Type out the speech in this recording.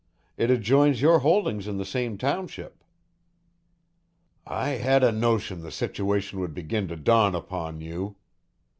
It adjoins your holdings in the same township" "I had a notion the situation would begin to dawn upon you."